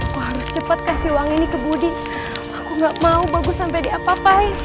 aku harus cepat kasih uang ini ke budi aku gak mau bagus sampai diapa apain